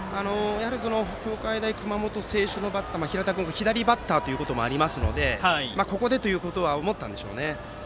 東海大熊本星翔の平太君が左バッターということもありますのでここでと思ったんでしょうね。